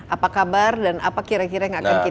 apa kabar dan apa kira kira yang akan kita